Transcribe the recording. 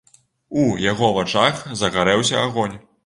У яго вачах загарэўся агонь.